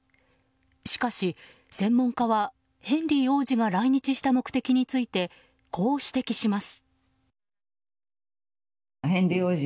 しかし、専門家はヘンリー王子が来日した目的についてこう指摘します。